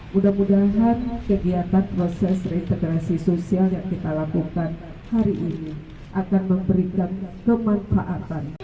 mudah mudahan kegiatan proses reintegrasi sosial yang kita lakukan hari ini akan memberikan kemanfaatan